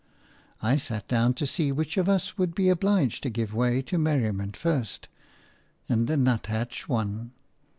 I sat down to see which of us would be obliged to give way to merriment first, and the nuthatch won.